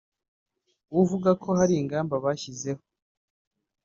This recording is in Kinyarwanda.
uvuga ko hari ingamba bashyizeho